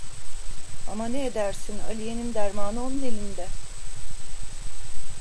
Ama ne edersin, Aliye'nin dermanı onun elinde.